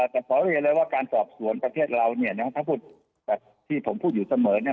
แต่ขอเรียนเลยว่าการสอบสวนประเทศเราเนี่ยนะถ้าพูดแบบที่ผมพูดอยู่เสมอเนี่ย